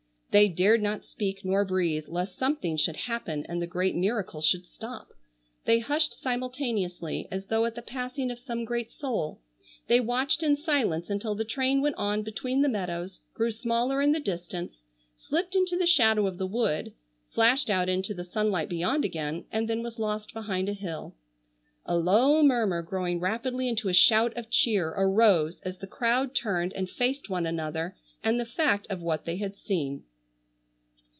They dared not speak nor breathe lest something should happen and the great miracle should stop. They hushed simultaneously as though at the passing of some great soul. They watched in silence until the train went on between the meadows, grew smaller in the distance, slipped into the shadow of the wood, flashed out into the sunlight beyond again, and then was lost behind a hill. A low murmur growing rapidly into a shout of cheer arose as the crowd turned and faced one another and the fact of what they had seen.